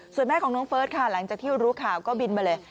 ส่วนแม่ของน้องเฟิร์สค่ะหลังจากที่รู้ข่าวก็บินมาเลย